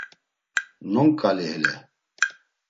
Nonkali hele.